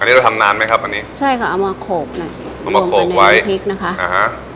อันนี้เราทำนานไหมครับอันนี้ใช่ค่ะเอามาโขลกหน่อยเอามาโขลกไว้ลงไปในนิ้วพลิกนะคะอ่าฮะ